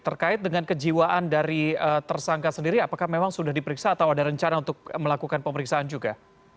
terkait dengan kejiwaan dari tersangka sendiri apakah memang sudah diperiksa atau ada rencana untuk melakukan pemeriksaan juga